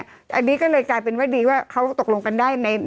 อันนี้ก็เลยกลายเป็นว่าดีว่าเขาตกลงกันได้ใน